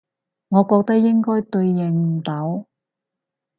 我覺得應該對應唔到